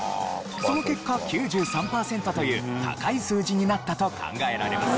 その結果９３パーセントという高い数字になったと考えられます。